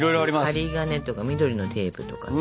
針金とか緑のテープとか。